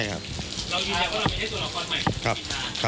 ออกล่องเหรอค่ะ